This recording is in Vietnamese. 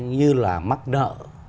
như là mắc nợ